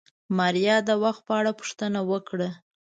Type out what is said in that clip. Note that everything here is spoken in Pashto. ماريا د وخت په اړه پوښتنه وکړه.